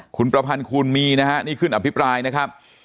คุณประพันธ์คูณมีนะฮะนี่ขึ้นอภิปรายนะครับ